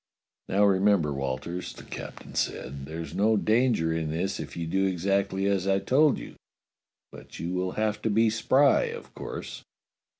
"Now remember, Walters," the captain said, "there's no danger in this if you do exactly as I told you, but you will have to be spry, of course."